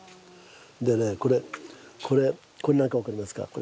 でねこれこれこれ何か分かりますか。